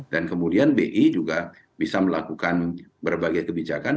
dan kemudian bi juga bisa melakukan berbagai kebijakan